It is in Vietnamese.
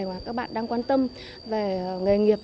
mà các bạn đang quan tâm về nghề nghiệp